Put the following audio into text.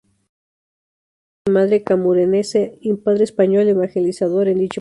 Es hija de madre camerunesa y padre español, evangelizador en dicho país.